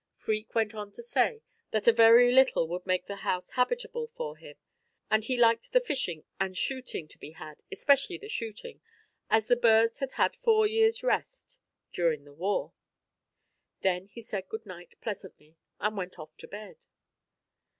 Freke went on to say that a very little would make the place habitable for him, and he liked the fishing and shooting to be had especially the shooting, as the birds had had four years' rest during the war. Then he said good night pleasantly, and went off to bed.